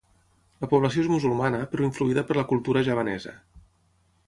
La població és musulmana però influïda per la cultura javanesa.